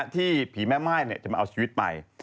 ที่ผีแม่ม่ายจะมาเอาชีวิตไป